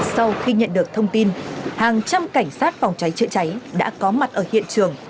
sau khi nhận được thông tin hàng trăm cảnh sát phòng cháy chữa cháy đã có mặt ở hiện trường